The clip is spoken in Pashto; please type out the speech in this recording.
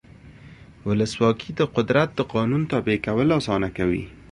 ولسواکي د قدرت د قانون تابع کول اسانه کوي.